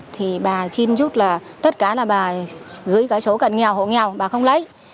thì bà chin giúp là tất cả là bà gửi cái số cận nghèo hộ nghèo bà không lấy